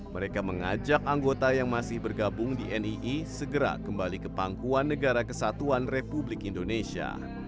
mereka mengajak anggota yang masih bergabung di nii segera kembali ke pangkuan negara kesatuan republik indonesia